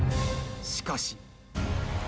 しかし。